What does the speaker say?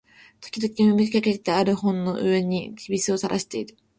時々読みかけてある本の上に涎をたらしている